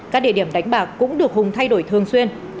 các địa điểm đánh bạc cũng được hùng thay đổi thường xuyên